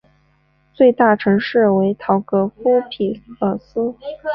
最大城市为陶格夫匹尔斯。